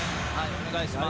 お願いします。